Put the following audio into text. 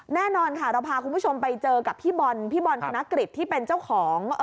แน่นอนค่ะเราพาคุณผู้ชมไปเจอกับพี่บอลพี่บอลธนกฤษที่เป็นเจ้าของ